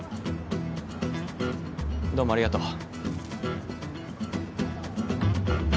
どうもありがとう。